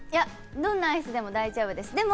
どんなアイスでも大丈夫です。